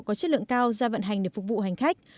có chất lượng cao ra vận hành để phục vụ hành khách